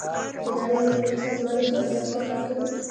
اداره یو ټولنیز سازمان دی چې اهدافو ته کار کوي.